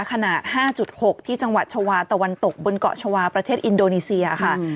ขนาด๕๖ที่จังหวัดชาวาตะวันตกบนเกาะชาวาประเทศอินโดนีเซียค่ะ